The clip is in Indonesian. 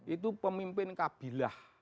itu pemimpin kabilah